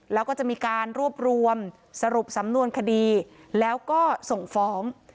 แล้วก็จะมีการรวบรวมสรุปสำนวนคดีแล้วก็ส่งฟ้อง